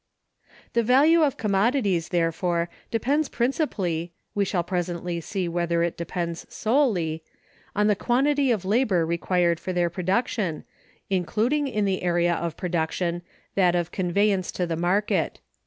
The value of commodities, therefore, depends principally (we shall presently see whether it depends solely) on the quantity of labor required for their production, including in the idea of production that of conveyance to the market.